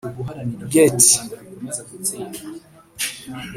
Gety